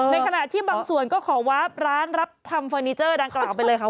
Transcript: ในขณะที่บางส่วนก็ขอวาบร้านรับทำเฟอร์นิเจอร์ดังกล่าวไปเลยค่ะ